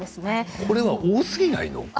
これは多すぎない？